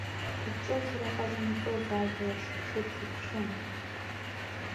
Гәҿыӷьра ҟазымҵоз ажәлар шыԥшыц иԥшын.